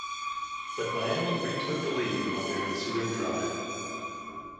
But Miami retook the lead on their ensuing drive.